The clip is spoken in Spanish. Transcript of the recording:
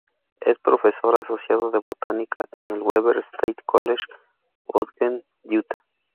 Es profesor asociado de Botánica en el "Weber State College", Ogden, Utah.